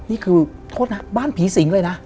นี่คือโทษนะบ้านผีสิงเลยนะ